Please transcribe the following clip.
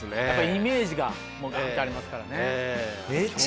イメージがガンってありますからね。